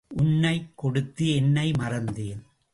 உன்னைக் கொடுத்து என்னை மறந்தேன்.